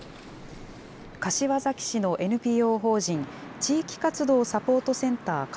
柏崎市のＮＰＯ法人、地域活動サポートセンター